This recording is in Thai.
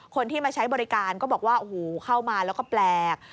คนที่มาใช้บริการก็บอกว่าโอ้โหเข้ามาแล้วก็แปลก